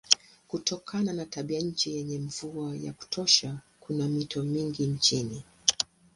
Kutokana na tabianchi yenye mvua ya kutosha kuna mito mingi nchini.